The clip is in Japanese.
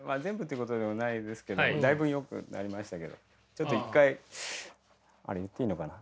ちょっと一回あれ言っていいのかな。